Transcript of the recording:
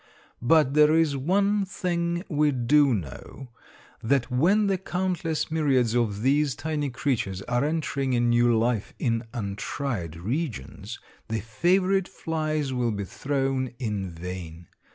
But there is one thing we do know, that when the countless myriads of these tiny creatures are entering a new life in untried regions, the favorite flies will be thrown in vain.